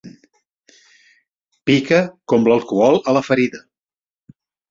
Pica com l'alcohol a la ferida.